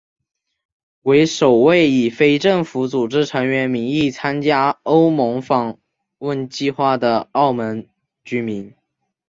为首位以非政府组织成员名义参加欧盟访问计划的澳门居民。